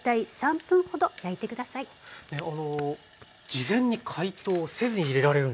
事前に解凍せずに入れられるんですね。